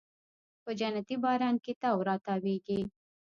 په جنتي باران کې تاو راتاویږې